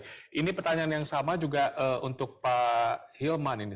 dan pertanyaan yang sama juga untuk pak hilman ini